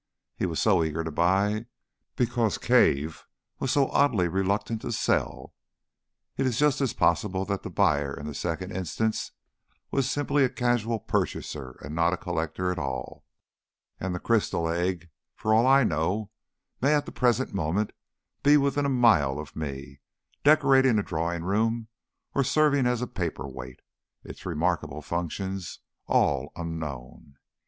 He was so eager to buy, because Cave was so oddly reluctant to sell. It is just as possible that the buyer in the second instance was simply a casual purchaser and not a collector at all, and the crystal egg, for all I know, may at the present moment be within a mile of me, decorating a drawing room or serving as a paper weight its remarkable functions all unknown.